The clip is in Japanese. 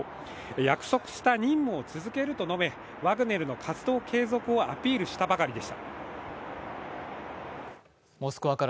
約束した任務を続けると述べ、ワグネルの活動継続をアピールしたばかりでした。